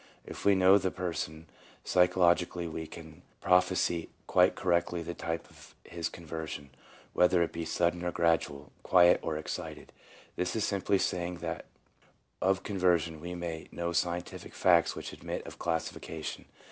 If we know the person psychologically we can prophesy quite correctly the type of his conversion, whether it be sudden or gradual, quiet or excited; this is simply saying that of conversion we may know scientific facts which admit of classification.